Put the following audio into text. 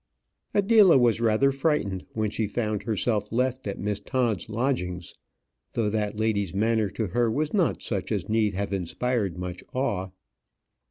Adela was rather frightened when she found herself left at Miss Todd's lodgings; though that lady's manner to her was not such as need have inspired much awe.